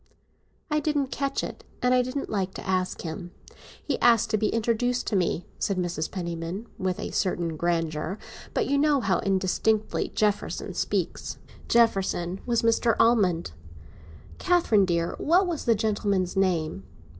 "I didn't catch it, and I didn't like to ask him. He asked to be introduced to me," said Mrs. Penniman, with a certain grandeur; "but you know how indistinctly Jefferson speaks." Jefferson was Mr. Almond. "Catherine, dear, what was the gentleman's name?"